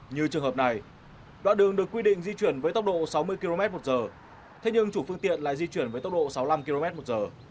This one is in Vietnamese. như trường hợp này đoạn đường được quy định di chuyển với tốc độ sáu mươi km một giờ thế nhưng chủ phương tiện lại di chuyển với tốc độ sáu mươi năm km một giờ